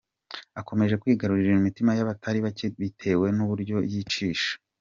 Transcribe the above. akomeje kwigarurira imitima y’abatari bake bitewe n’uburyo yicisha.